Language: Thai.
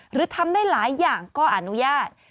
หรือทำได้หลายอย่างก็อนุญาต